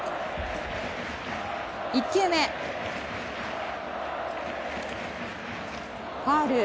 １球目、ファウル。